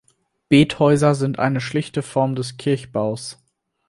Bethäuser sind eine schlichtere Form des Kirchbaus.